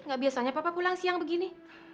nggak biasanya papa pulang siang begini